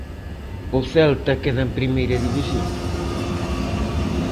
O Celta queda en Primeira División.